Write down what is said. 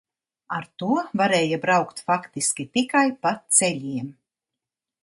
Ar to varēja braukt faktiski tikai pa ceļiem.